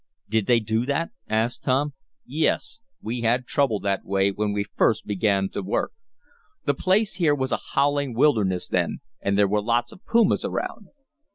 "Did they do that?" asked Tom. "Yes, we had trouble that way when we first began the work. The place here was a howling wilderness then, and there were lots of pumas around.